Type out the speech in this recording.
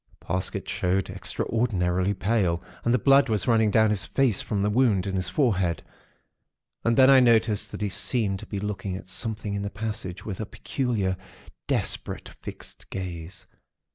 Parsket showed extraordinarily pale, and the blood was running down his face from the wound in his forehead; and then I noticed that he seemed to be looking at something in the passage with a peculiar, desperate, fixed gaze.